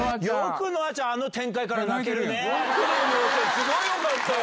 すごいよかったよ。